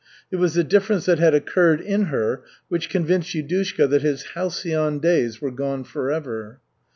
It was the difference that had occurred in her which convinced Yudushka that his halcyon days were gone forever.